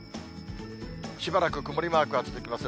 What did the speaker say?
しばらく曇りマークが続きます。